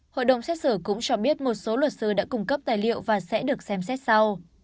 hội đồng xét xử cũng cho biết một số luật sư đã cung cấp tài liệu và sẽ được xem xét sau